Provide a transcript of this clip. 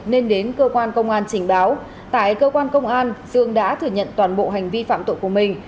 nên đến cơ quan công an trình báo tại cơ quan công an dương đã thừa nhận toàn bộ hành vi phạm tội của mình